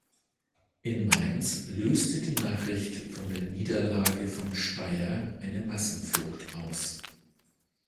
In Mainz löste die Nachricht von der Niederlage von Speyer eine Massenflucht aus.